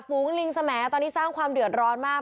ฝูงลิงสมตอนนี้สร้างความเดือดร้อนมาก